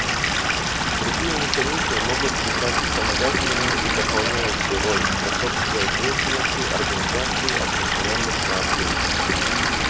Другие механизмы могут играть вспомогательную и дополняющую роль, способствуя деятельности Организации Объединенных Наций.